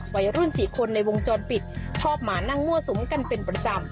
วัยรุ่นสี่คนในวงจรปิดชอบมานั่งมั่วสุมกันเป็นประจำ